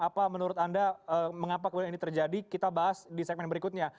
apa menurut anda mengapa kemudian ini terjadi kita bahas di segmen berikutnya